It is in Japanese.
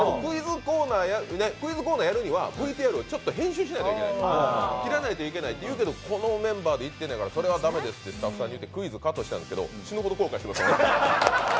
クイズコーナーやるにはＶＴＲをちょっと編集しなければいけない切らないといけないというけどこのメンバーで行ってんやからそれはだめですってスタッフさんに言ってクイズをカットしたんですけど、死ぬほど後悔してます。